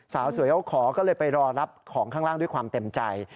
สาวสวยเขาขอก็เลยไปรอรับของข้างล่างด้วยความเต็มใจ